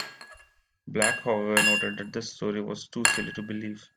Black, however, noted that this story was too silly to believe.